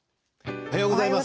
おはようございます。